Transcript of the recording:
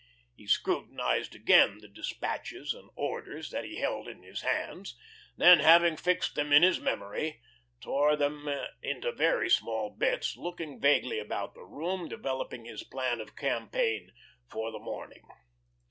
He scrutinised again the despatches and orders that he held in his hands; then, having fixed them in his memory, tore them into very small bits, looking vaguely about the room, developing his plan of campaign for the morning.